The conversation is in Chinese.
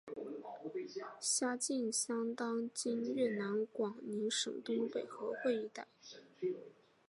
辖境相当今越南广宁省东北河桧一带。